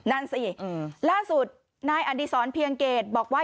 นั่นสิล่าสุดนายอดีศรเพียงเกตบอกว่า